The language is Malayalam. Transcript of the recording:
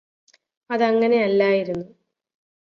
അതങ്ങനെയല്ലായിരുന്നു